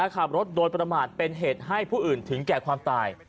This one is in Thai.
ขับรถโดยประมาทเป็นเหตุให้ผู้อื่นถึงแก่ความตาย